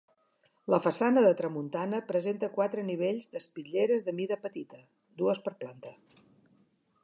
La façana de tramuntana presenta quatre nivells d'espitlleres de mida petita, dues per planta.